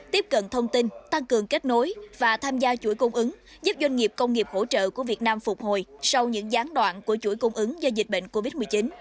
tiếp cận thông tin tăng cường kết nối và tham gia chuỗi cung ứng giúp doanh nghiệp công nghiệp hỗ trợ của việt nam phục hồi sau những gián đoạn của chuỗi cung ứng do dịch bệnh covid một mươi chín